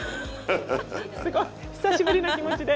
すごい久しぶりな気持ちで。